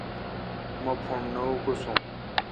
مہ پھݨ نہ اکوسون۔